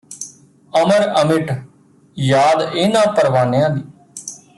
ਅਮਰ ਅਮਿਟ ਯਾਦ ਇਨ੍ਹਾਂ ਪ੍ਰਵਾਨਿਆਂ ਦੀ